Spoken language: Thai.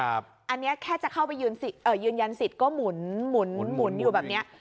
อันนี้แค่จะเข้าไปยืนยันสิทธิ์ก็หมุนอยู่แบบนี้